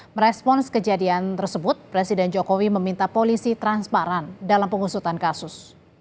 merespons kejadian tersebut presiden jokowi meminta polisi transparan dalam pengusutan kasus